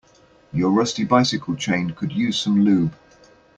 Your rusty bicycle chain could use some lube.